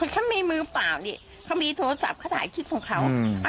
ฉันมีมือเปล่านี่เขามีโทรศัพท์เขาถ่ายคลิปของเขา